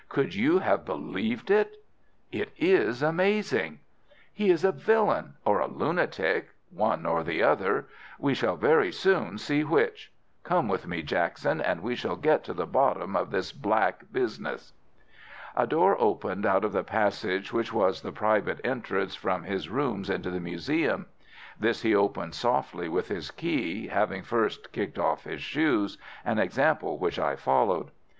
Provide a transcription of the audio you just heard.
"Could you have believed it?" "It is amazing." "He is a villain or a lunatic—one or the other. We shall very soon see which. Come with me, Jackson, and we shall get to the bottom of this black business." A door opened out of the passage which was the private entrance from his rooms into the museum. This he opened softly with his key, having first kicked off his shoes, an example which I followed.